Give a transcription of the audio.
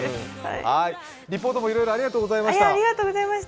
リポートもいろいろありがとうございました。